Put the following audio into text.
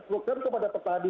program kepada petani